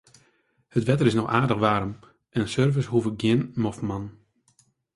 It wetter is noch aardich waarm en surfers hoege gjin moffen oan.